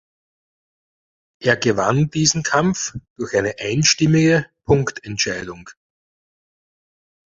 Er gewann diesen Kampf durch eine einstimmige Punktentscheidung.